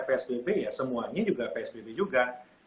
psbb ya semuanya juga psbb juga